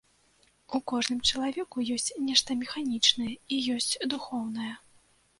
У кожным чалавеку ёсць нешта механічнае і ёсць духоўнае.